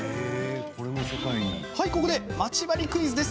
はい、ここでまち針クイズです